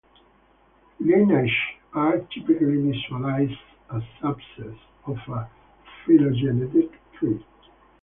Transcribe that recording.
Lineages are typically visualized as subsets of a phylogenetic tree.